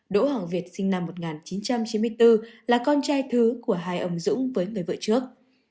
đỗ hoàng việt sinh năm một nghìn chín trăm chín mươi bốn là con trai thứ của hai ông dũng với người vợ trước